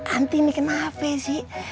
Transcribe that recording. anti ini kenapa sih